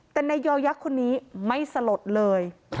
แต่นายยอยักษ์คนนี้ไม่สลดเลย